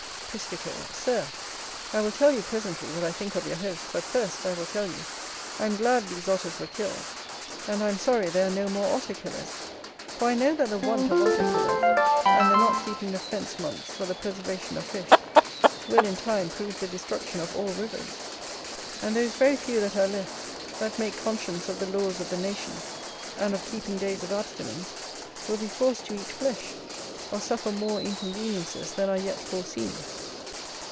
Piscator. Sir, I will tell you, presently, what I think of your host: but, first, I will tell you, I am glad these Otters were killed; and I am sorry there are no more Otter killers; for I know that the want of Otter killers, and the not keeping the fence months for the preservation of fish, will, in time, prove the destruction of all rivers. And those very few that are left, that make conscience of the laws of the nation, and of keeping days of abstinence, will be forced to eat flesh, or suffer more inconveniences than are yet foreseen.